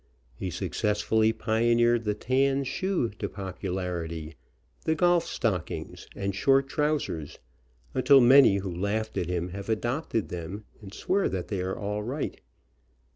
He successfully pioneered the tan shoe to popularity, the golf stockings and short trousers, until many who laughed at him have adopted them, and swear that they are all right.